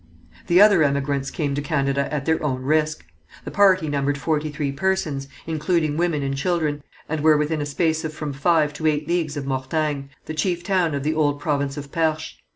The other emigrants came to Canada at their own risk. The party numbered forty three persons, including women and children, and were within a space of from five to eight leagues of Mortagne, the chief town of the old province of Perche.